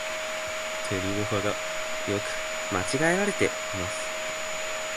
てにをはが、よく間違えられています。